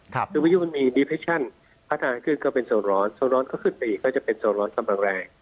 คือพายุมันมีดีเพชชั่นพัฒนาขึ้นก็เป็นโซนร้อนโซร้อนก็ขึ้นไปอีกก็จะเป็นโซนร้อนกำลังแรง